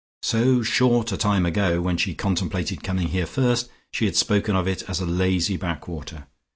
So short a time ago, when she contemplated coming here first, she had spoken of it as a lazy backwater.